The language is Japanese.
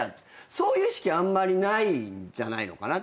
そういう意識はあんまりないんじゃないのかなって。